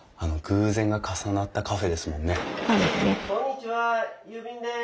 ・こんにちは郵便です！